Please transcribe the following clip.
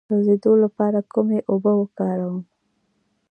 د سوځیدو لپاره کومې اوبه وکاروم؟